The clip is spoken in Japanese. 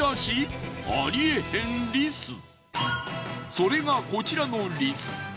それがこちらのリス。